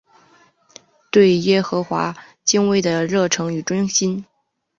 对耶和华敬畏的热诚与忠心。